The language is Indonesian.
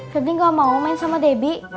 jadi gak mau main sama debbie